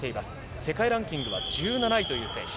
世界ランキングは１７位という選手。